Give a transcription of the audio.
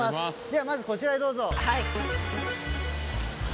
ではまずこちらへどうぞ。